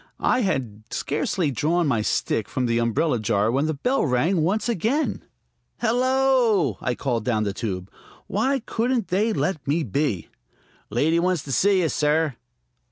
I had scarcely drawn my stick from the umbrella jar when the bell rang once again. "Hello!" I called down the tube. Why couldn't they let me be? "Lady wants to see you, sir."